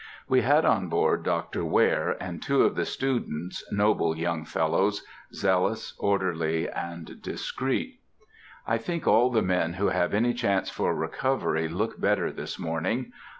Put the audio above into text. We had on board Dr. Ware and two of the students, noble young fellows, zealous, orderly, and discreet. I think all the men who have any chance for recovery look better this morning.